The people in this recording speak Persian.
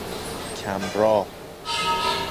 کم راه